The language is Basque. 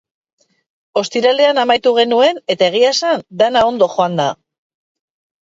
Ostiralean amaitu genuen eta, egia esan, dena ondo joan da.